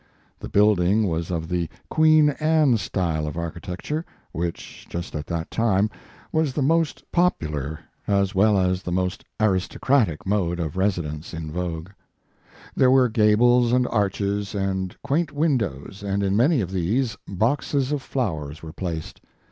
The building was of the Queen Anne style of architecture, which, just at that time, was the most 166 Mark Twain popular, as well as the most aristocratic mode of residence in vogue. There were gables and arches and quaint windows, and in many of these, boxes of flowers were placed.